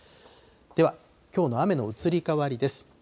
ではきょうの雨の移り変わりです。